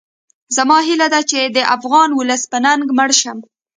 زما هیله ده چې د افغان ولس په ننګ مړ شم